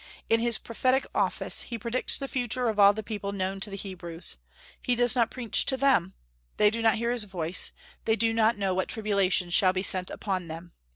In his prophetic office he predicts the future of all the people known to the Hebrews. He does not preach to them: they do not hear his voice; they do not know what tribulations shall be sent upon them.